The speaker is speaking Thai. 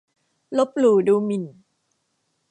ลบหลู่ดูหมิ่น